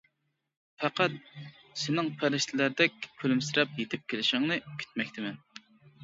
پەقەت، سېنىڭ پەرىشتىلەردەك كۈلۈمسىرەپ يېتىپ كېلىشىڭنى كۈتمەكتىمەن.